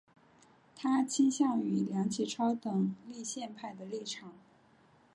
他倾向于梁启超等立宪派的立场。